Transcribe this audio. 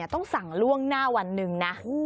ต้องสั่งล่วงหน้าวันหนึ่งนะ